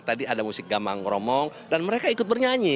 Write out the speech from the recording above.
tadi ada musik gama ngromong dan mereka ikut bernyanyi